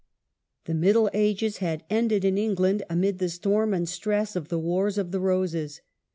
The Middle Ages had ended in England amid the storm and stress of the Wars of the Roses.